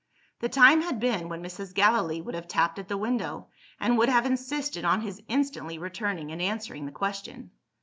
The time had been, when Mrs. Gallilee would have tapped at the window, and would have insisted on his instantly returning and answering the question.